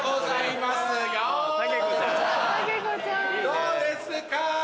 どうですか？